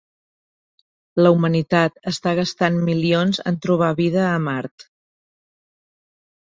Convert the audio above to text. La humanitat està gastant milions en trobar vida a Mart.